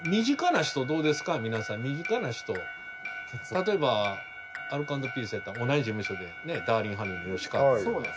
例えばアルコ＆ピースやったら同じ事務所でねダーリンハニーの吉川君とか。